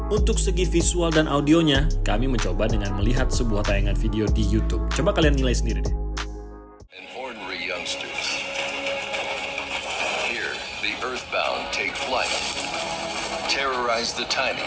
untuk segi visual dan audionya kami mencoba dengan melihat sebuah tayangan video di youtube coba kalian nilai sendiri